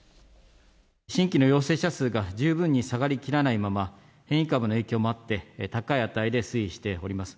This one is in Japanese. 新規の陽性者数が十分に下がりきらないまま、変異株の影響もあって、高い値で推移しております。